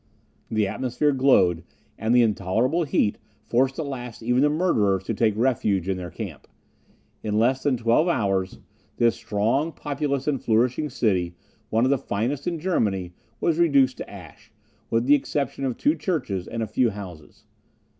The atmosphere glowed; and the intolerable heat forced at last even the murderers to take refuge in their camp. In less than twelve hours, this strong, populous, and flourishing city, one of the finest in Germany, was reduced to ashes, with the exception of two churches and a few houses.